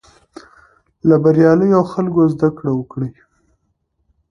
له بریالیو خلکو زده کړه وکړئ.